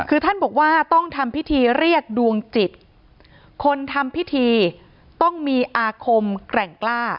คือท่านบอกว่าต้องทำพิธีเรียกดวงจิตคนทำพิธีต้องมีอาคมแกร่งกล้า